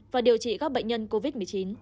và điều trị các bệnh nhân covid một mươi chín